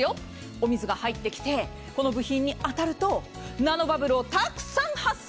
お水が入ってきて、この部品に当たるとナノバブルをたくさん発生。